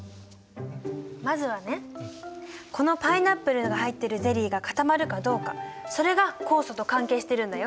まずはねこのパイナップルが入っているゼリーが固まるかどうかそれが酵素と関係してるんだよ。